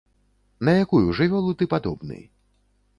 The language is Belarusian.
На якую жывёлу ты падобны?